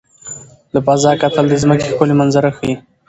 له فضا کتل د ځمکې ښکلي منظره ښيي.